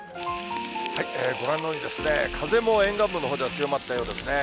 ご覧のように、風も沿岸部のほうでは強まったようですね。